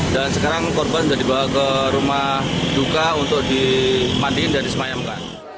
dan sekarang korban sudah dibawa ke rumah duka untuk dimandiin dan disemayamkan